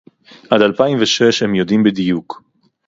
עד אלפיים ושש הם יודעים בדיוק